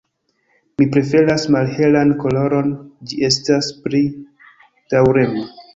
Mi preferas malhelan koloron, ĝi estas pli daŭrema.